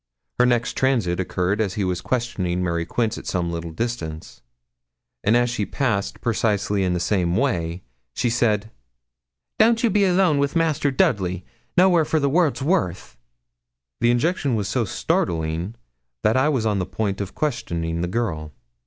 Her next transit occurred as he was questioning Mary Quince at some little distance; and as she passed precisely in the same way, she said 'Don't you be alone wi' Master Dudley nowhere for the world's worth.' The injunction was so startling that I was on the point of questioning the girl.